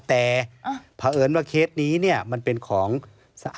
แต่ผ่าเอิญว่าเคสนี้มันเป็นของความยุติธรรม